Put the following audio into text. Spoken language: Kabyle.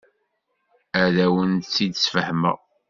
Ad awen-t-id-sfehmeɣ.